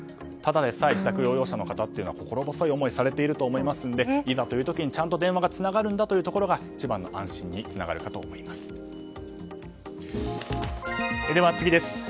ただでさえ自宅療養者の方というのは心細い思いをされてると思うのでいざという時に、ちゃんと電話がつながるんだということが一番の安心につながるかと思います。